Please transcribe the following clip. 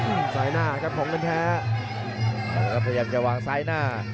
อื้มซ้ายหน้ากับของเงินแท้พยายามจะวางซ้ายหน้า